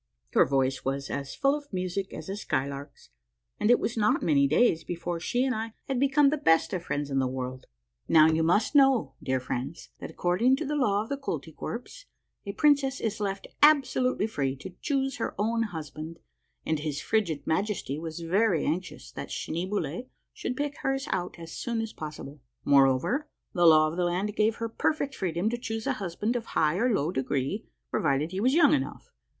Her voice was as full of music as a skylark's, and it was not many days before she and I had become the best friends in the world. Now, you must know, dear friends, that according to the law of the Koltykwerps, a princess is left absolutely free to choose her own husband, and his frigid Majesty was very anxious that Schneeboule should pick hers out as soon as possible. Moreover, the law of the land gave her perfect freedom to choose a hus band of high or low degree, provided he was young enough.